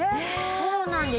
そうなんです。